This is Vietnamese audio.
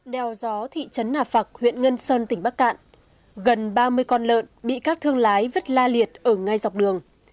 đeo gió thị trấn nà phạc huyện ngân sơn tỉnh bắc cạn gần ba mươi con lợn bị các thương lái vứt la liệt ở ngay dọc đường